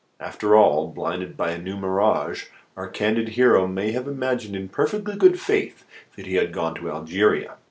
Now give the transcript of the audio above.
After all, blinded by a new mirage, our candid hero may have imagined in perfectly good faith that he had gone to Algeria.